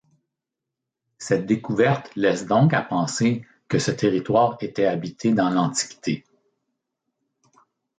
Cette découverte laisse donc à penser que ce territoire était habité dans l'Antiquité.